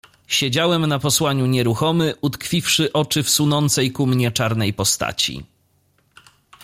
"Siedziałem na posłaniu nieruchomy, utkwiwszy oczy w sunącej ku mnie czarnej postaci."